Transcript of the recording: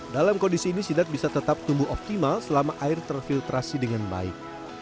dalam kondisi ini sidat bisa tetap tumbuh optimal selama air terfiltrasi dengan baik